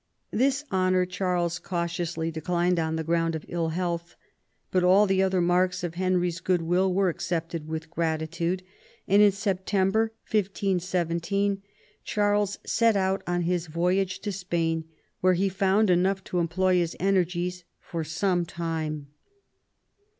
This honour Charles cautiously declined on the ground of ill health ; but all the other marks of Henry's goodwill were accepted with gratitude, and in September 1517 Charles set out on his voyage to Spain, where he found enough to employ his energies for some time.